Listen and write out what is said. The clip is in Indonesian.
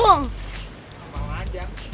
mama mau ajak